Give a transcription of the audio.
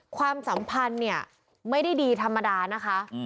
ความสัมพันธ์เนี่ยไม่ได้ดีธรรมดานะคะ